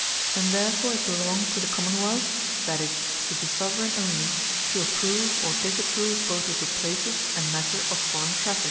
And therefore it belongeth to the Common wealth, (that is, to the Soveraign only,) to approve, or disapprove both of the places, and matter of forraign Traffique.